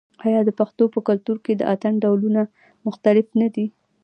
آیا د پښتنو په کلتور کې د اتن ډولونه مختلف نه دي؟